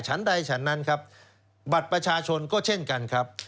ใดฉันนั้นครับบัตรประชาชนก็เช่นกันครับ